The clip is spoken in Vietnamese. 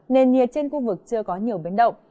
nền nhiệt trên khu vực chưa có nhiều biến động